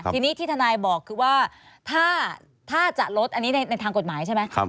ทีนี้ที่ทนายบอกคือว่าถ้าจะลดอันนี้ในทางกฎหมายใช่ไหม